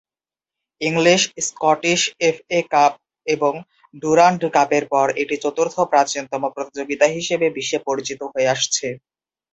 English, Scottish FA cup এবং Durand কাপের পর এটি চতুর্থ প্রাচীনতম প্রতিযোগিতা হিসেবে বিশ্বে পরিচিত হয়ে আসছে।